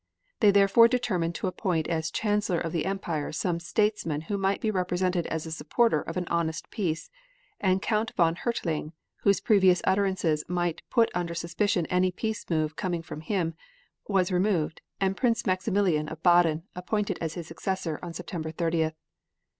They therefore determined to appoint as Chancellor of the Empire some statesman who might be represented as a supporter of an honest peace, and Count von Hertling, whose previous utterances might put under suspicion any peace move coming from him, was removed and Prince Maximilian of Baden appointed as his successor on September 30th.